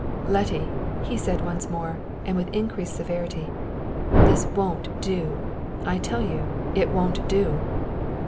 "Letty," he said once more, and with increased severity, "this won't do. I tell you, it won't do."